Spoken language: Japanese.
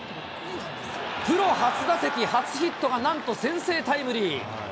プロ初打席、初ヒットがなんと先制タイムリー。